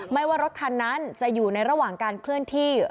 ว่ารถคันนั้นจะอยู่ในระหว่างการเคลื่อนที่